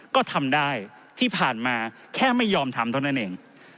ก็ทำได้ที่ผ่านมาแค่ไม่ยอมทำเท่านั้นเอง